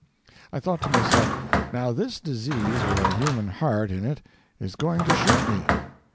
I thought to myself, "Now this disease with a human heart in it is going to shoot me."